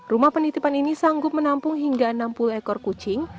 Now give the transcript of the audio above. rumah penitipan ini sanggup menampung hingga enam puluh ekor kucing